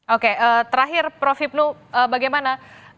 oke terakhir prof hipnu bagaimana